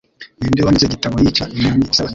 Ninde Wanditse Igitabo Yica Inyoni isebanya